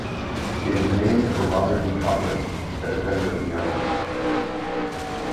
It is named for Robert E. Cochran, a defender of the Alamo.